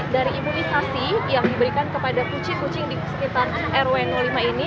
dari imunisasi yang diberikan kepada kucing kucing di sekitar rw lima ini